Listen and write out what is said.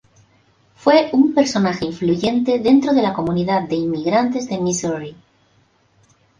Fue un personaje influyente dentro de la comunidad de inmigrantes de Missouri.